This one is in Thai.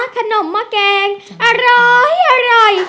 ขนมหม้อแกงอร้อยอร่อย